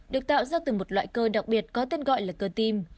được tạo ra từ một loại cơ đặc biệt có tên gọi là cơ tim